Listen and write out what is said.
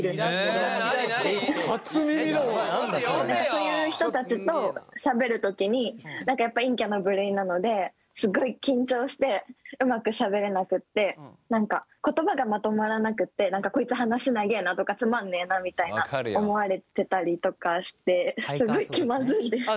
そういう人たちとしゃべるときにやっぱ陰キャな部類なのですごい緊張してうまくしゃべれなくって何か言葉がまとまらなくってこいつ話長えなとかつまんねえなみたいな思われてたりとかしてすごい気まずいです。